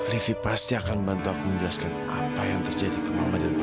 livi pasti akan bantu aku menjelaskan apa yang terjadi ke mama dan papa